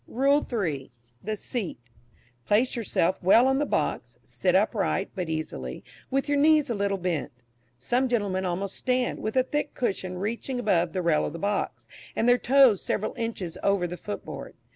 RULE III. THE SEAT. Place yourself well on the box, sit upright, but easily, with your knees a little bent. Some gentlemen almost stand, with a thick cushion reaching above the rail of the box, and their toes several inches over the foot board.